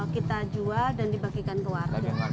kita jual dan dibagikan keluarga